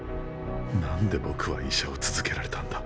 なんで僕は医者を続けられたんだ？